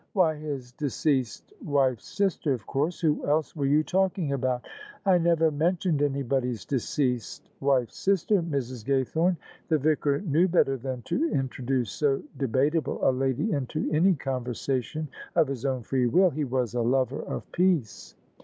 "Why, his deceased wife's sister of course. Who else were you talking about ?"" I never mentioned anybody's deceased wife's sister, Mrs. Gaythorne." The Vicar knew better than to introduce so debatable a lady into any conversation of his own free will : he was a lover of peace.